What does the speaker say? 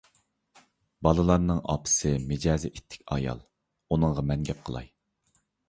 بالىلارنىڭ ئاپىسى مىجەزى ئىتتىك ئايال، ئۇنىڭغا مەن گەپ قىلاي.